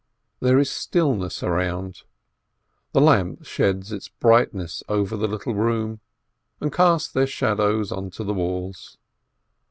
There is stillness around. The lamp sheds its bright ness over the little room, and casts their shadows onto the walls.